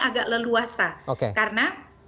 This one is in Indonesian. agak leluasa karena